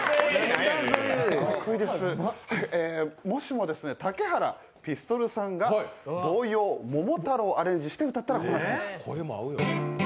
もしも竹原ピストルさんが童謡「桃太郎」をアレンジして歌ったら。